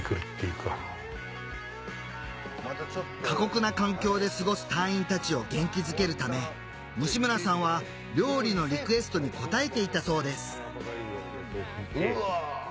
過酷な環境で過ごす隊員たちを元気づけるため西村さんは料理のリクエストに応えていたそうですうわ。